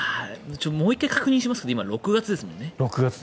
もう１回確認しますけど今、６月ですもんね。